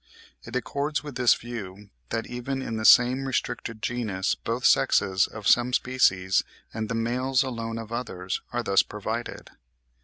It accords with this view that even in the same restricted genus both sexes of some species, and the males alone of others, are thus provided.